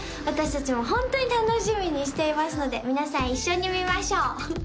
私達もホントに楽しみにしていますので皆さん一緒に見ましょう！